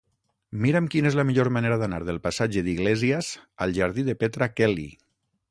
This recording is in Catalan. Mira'm quina és la millor manera d'anar del passatge d'Iglésias al jardí de Petra Kelly.